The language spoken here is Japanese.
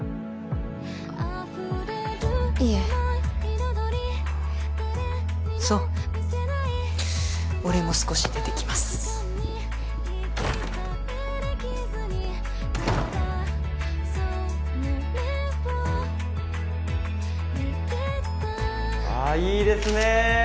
いえそう俺も少し出てきますあっいいですね